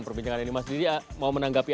perbincangan ini mas didi mau menanggapi